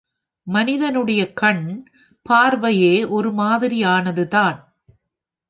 மனிதனுடைய கண் பார்வையே ஒரு மாதிரியானதுதான்.